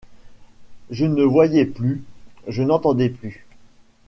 Je ne voyais plus, je n’entendais plus.